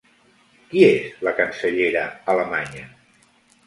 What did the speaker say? Qui és la cancellera alemanya?